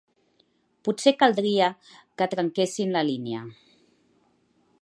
Potser caldria que trenquéssem la línia.